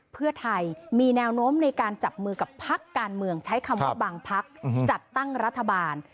เพื่อไทยมีแนวโน้มในการจับมือกับพักการเมืองใช้คำว่าบางพักจัดตั้งรัฐบาล